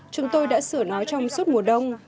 chúng tôi đã sửa nó trong suốt mùa đông